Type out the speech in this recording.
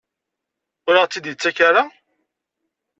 Ur aɣ-tt-id-yettak ara?